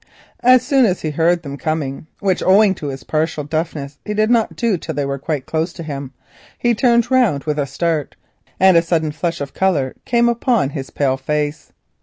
As soon as he heard them coming, which owing to his partial deafness he did not do till they were quite close to him, he turned round with a start, and a sudden flush of colour came upon his pale face.